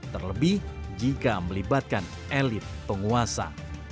terlebih jika melibatkan elit penguasa